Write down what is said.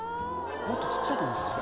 もっと小っちゃいと思ってた。